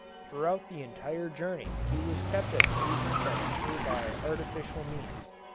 Throughout the entire journey it was kept at freezing temperature by artificial means.